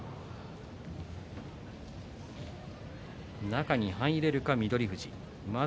中に入れるか翠富士。